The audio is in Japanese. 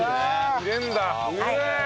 入れるんだ！